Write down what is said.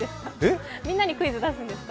みんなにクイズ出すんですか？